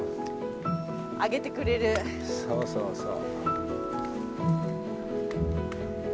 そうそうそう。